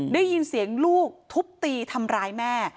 ได้ยินเสียงลูกทุบตีทำร้ายแม่